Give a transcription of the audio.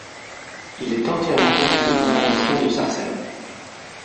Il est entièrement inclus dans l'arrondissement de Sarcelles.